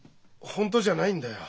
本当じゃないんだよ。